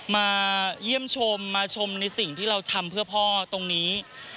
มาเยี่ยมชมมาชมในสิ่งที่เราทำเพื่อพ่อตรงนี้